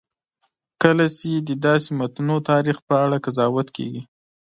کله چې د داسې متنوع تاریخ په اړه قضاوت کېږي.